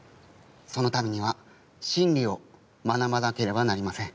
そのためには真理を学ばなければなりません。